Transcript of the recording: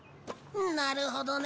なるほどね。